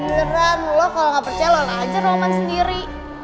beneran lo kalau gak percaya lo ngeajar roman sendiri